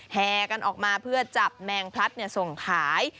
แห่กันออกมาเพื่อจับแมงพลัดส่งขาย